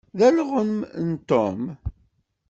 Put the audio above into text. D alɣem n Tom.